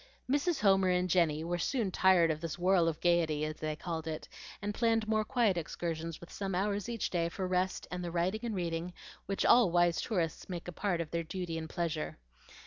Mrs. Homer and Jenny were soon tired of this "whirl of gayety," as they called it, and planned more quiet excursions with some hours each day for rest and the writing and reading which all wise tourists make a part of their duty and pleasure.